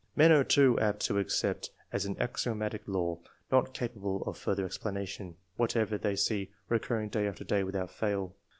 Men are too apt to accept as an axiomatic law, not capable of further explanation, whatever they see recurring day after day without fail.